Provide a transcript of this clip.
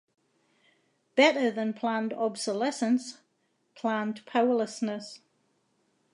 Better than planned obsolescence: planned powerlessness.